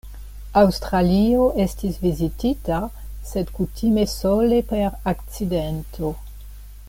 Aŭstralio estis vizitita, sed kutime sole per akcidento.